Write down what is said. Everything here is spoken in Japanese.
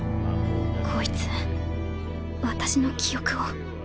こいつ私の記憶を